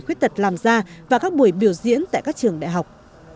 khuyết tật làm ra và các buổi biểu diễn tại các trường đại học